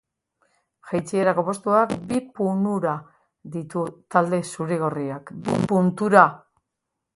Jeitsierako postuak bi punura ditu talde zuri-gorriak.